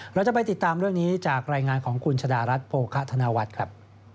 เราจะไปติดตามเรื่องนี้จากรายงานของคุณชะดารัฐโภคะธนวัฒน์ครับ